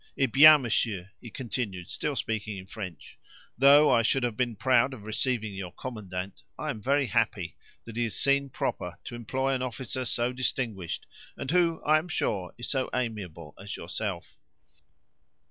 Eh, bien! monsieur," he continued still speaking in French; "though I should have been proud of receiving your commandant, I am very happy that he has seen proper to employ an officer so distinguished, and who, I am sure, is so amiable, as yourself."